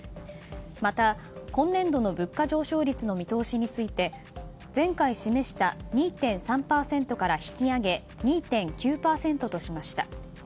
また、今年度の物価上昇率の見通しについて前回示した２．３％から引き上げ２．９％としました。